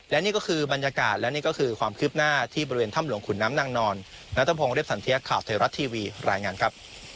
และนี้ก็คือบรรยากาศและนี้ก็คือความคลิบหน้า